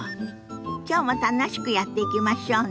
きょうも楽しくやっていきましょうね。